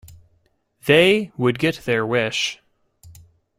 They would get their wish.